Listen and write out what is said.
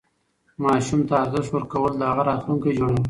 ماشوم ته ارزښت ورکول د هغه راتلونکی جوړوي.